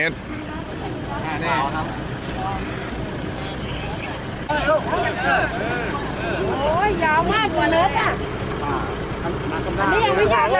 เอาเราอยู่ห่อยยาวมากจริงนู้นเลยอ่ะ